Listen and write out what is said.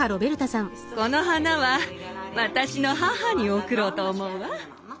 この花は私の母に贈ろうと思うわ。